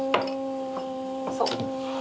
そう。